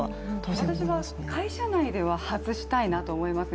私は、会社内では外したいなと思いますね。